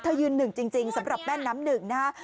ยืนหนึ่งจริงสำหรับแม่น้ำหนึ่งนะฮะ